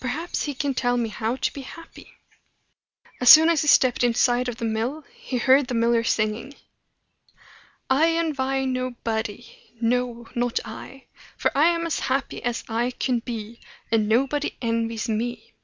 "Perhaps he can tell me how to be happy." As soon as he stepped inside of the mill, he heard the miller singing: "I envy no body no, not I! For I am as happy as I can be; And nobody envies me."